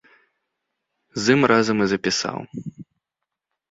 З ім разам і запісаў.